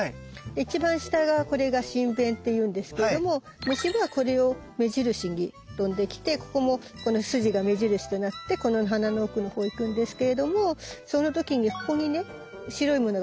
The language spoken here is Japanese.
一番下がこれが唇弁っていうんですけれども虫はこれを目印に飛んできてここもこの筋が目印となってこの花の奥のほう行くんですけれどもその時にここにね白いものがちょっと見えるよね？